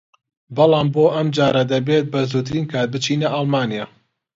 بەڵام بۆ ئەمجارە دەبێت بەزووترین کات بچینە ئەڵمانیا